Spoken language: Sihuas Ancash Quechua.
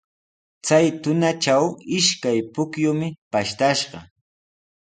Chay tunatraw ishkay pukyumi pashtashqa.